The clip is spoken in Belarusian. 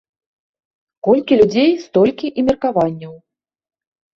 Колькі людзей, столькі і меркаванняў.